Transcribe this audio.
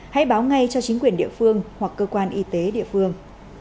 hãy báo ngay cho chính quyền địa phương hoặc cơ quan y tế địa phương